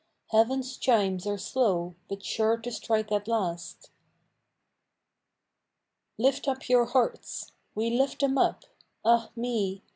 Heaven's chimes are slow, but sure to strike at last. " Lift up your hearts "—" We lift them up "— ah me